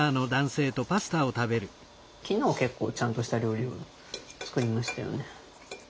昨日は結構ちゃんとした料理を作りましたよね。